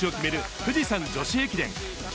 富士山女子駅伝。